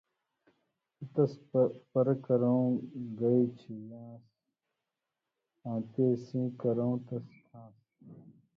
سو تس پرہ کرؤں گائ ڇہے یان٘س آں تے سیں کرؤ تس کھان٘س۔